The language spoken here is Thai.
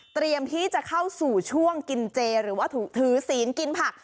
เตรียมที่จะเข้าสู่ช่วงกินเจหรือว่าถือศีลกินผัก